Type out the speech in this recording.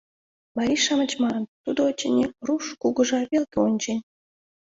Марий-шамыч маныт: «Тудо, очыни, руш кугыжа велке вончен.